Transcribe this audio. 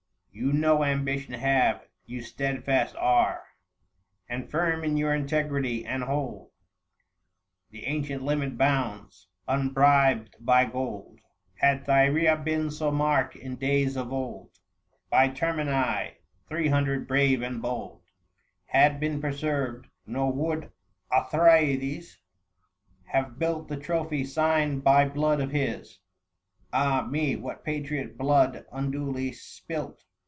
You no ambition have, you steadfast are And firm in your integrity, and hold The ancient limit bounds, unbribed by gold. Had Thyrea been so marked in days of old 710 By Termini, three hundred brave and bold 58 THE FASTI. Book II. Had been preserved. Nor would Othryades Have built the trophy signed by blood of his — Ah, me, what patriot blood unduly spilt